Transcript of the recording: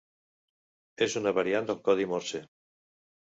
És una variant del codi morse.